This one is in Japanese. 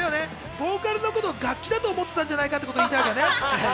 ボーカルのことを楽器だと思ってたんじゃないかって言いたいんだよね？